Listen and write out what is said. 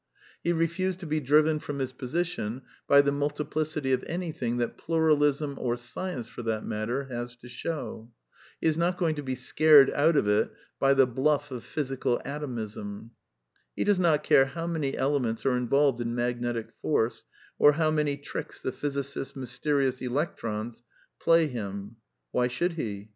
He refused to be driven from his position by the multiplicity of anything that Pluralism, or Science for that matter, has to show. He is not going to be scared out of it by the bluff of physical Atomism. He does not care how many elements are involved in magnetic force, or how many tricks the physicist's mysterious electrons play him. Why should he?